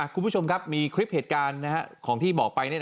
คุณผู้ชมครับมีคลิปเหตุการณ์ของที่บอกไป